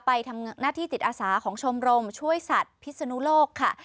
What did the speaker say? ไปทำหน้าที่จิตอาสาของชมรมช่วยสัตว์พิศนุโลกค่ะ